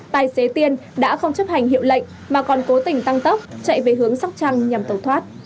tài xế tiên đã không chấp hành hiệu lệnh mà còn cố tình tăng tốc chạy về hướng sóc trăng nhằm tẩu thoát